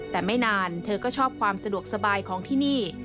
แต่ไม่นานเธอก็ชอบความสะดวกสบายของที่นี่